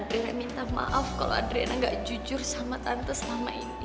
dan adriana minta maaf kalo adriana gak jujur sama tante selama ini